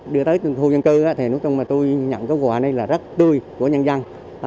đưa tới khu dân cư thì lúc tôi nhận cái quà này là rất tươi của nhân dân